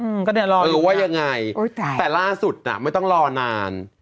อืมก็เดี๋ยวรอดูว่ายังไงโอ้ยตายแต่ล่าสุดน่ะไม่ต้องรอนาน